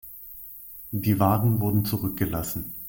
Die Wagen wurden zurückgelassen.